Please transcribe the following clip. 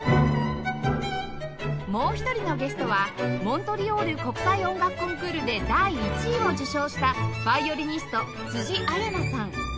もう一人のゲストはモントリオール国際音楽コンクールで第１位を受賞したヴァイオリニスト辻彩奈さん